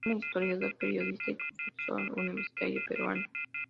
Es un historiador, periodista y profesor universitario peruano.